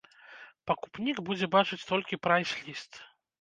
Пакупнік будзе бачыць толькі прайс-ліст.